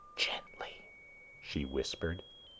"Gently ..." she whispered.